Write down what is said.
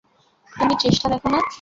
তুমি চেষ্টা দেখো না।